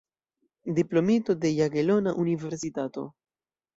Diplomito de Jagelona Universitato.